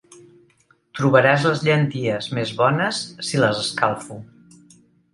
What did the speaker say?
Trobaràs les llenties més bones si les escalfo.